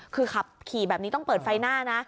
คือขับขี่แบบนี้ต้องเปิดไฟหน้านะ